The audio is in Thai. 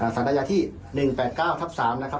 ศาลอายาที่๑๘๙ทับ๓นะครับ๒๕๖